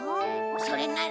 それなら。